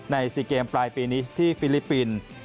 ๔เกมปลายปีนี้ที่ฟิลิปปินส์